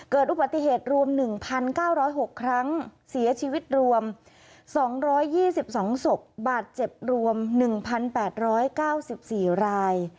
เกิดอุบัติเหตุรวม๑๙๐๖ครั้งเสียชีวิตรวม๒๒ศพบาดเจ็บรวม๑๘๙๔ราย